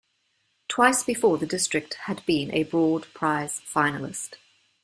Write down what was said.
Twice before, the district had been a Broad Prize finalist.